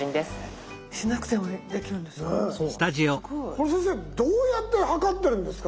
これ先生どうやって測ってるんですか？